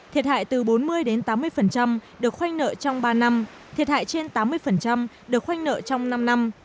thiệt hại từ bốn mươi đến tám mươi được khoanh nợ trong ba năm thiệt hại trên tám mươi được khoanh nợ trong năm năm